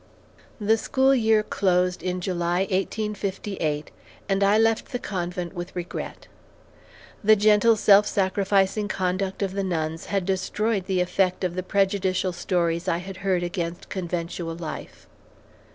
The school year closed in July, 1858, and I left the convent with regret. The gentle, self sacrificing conduct of the nuns had destroyed the effect of the prejudicial stories I had heard against conventual life.